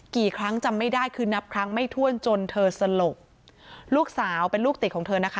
กี่ครั้งจำไม่ได้คือนับครั้งไม่ถ้วนจนเธอสลบลูกสาวเป็นลูกติดของเธอนะคะ